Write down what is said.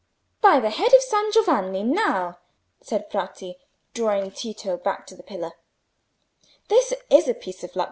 "By the head of San Giovanni, now," said Bratti, drawing Tito back to the pillar, "this is a piece of luck.